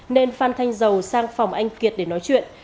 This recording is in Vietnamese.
nên phan thanh dầu sang phòng anh kiệt để nói chuyện